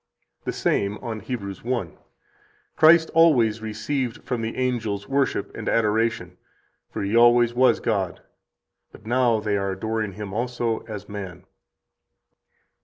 58 The same, on Heb. 1 (t. 2, p. 154): "Christ always received from the angels worship and adoration, for He always was God. But now they are adoring Him also as man.